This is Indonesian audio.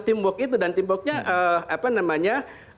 timbuk itu dan timbuknya